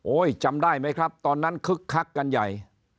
จำได้ไหมครับตอนนั้นคึกคักกันใหญ่